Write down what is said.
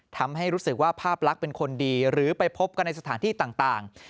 ทำให้รู้สึกว่าภาพลักษณ์เป็นคนดีหรือไปพบกันในสถานที่ต่าง